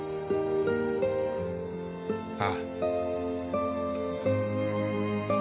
ああ。